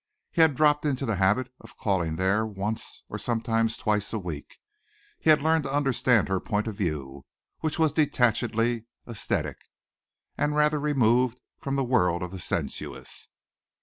He had dropped into the habit of calling there once and sometimes twice a week. He had learned to understand her point of view, which was detachedly æsthetic and rather removed from the world of the sensuous.